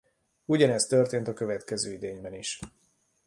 Ugyanez történt a következő idényben is.